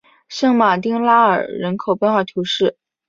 圣马丁拉尔人口变化图示